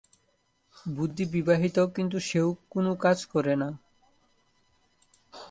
বুদ্ধি বিবাহিত কিন্তু সেও কোন কাজ করেনা।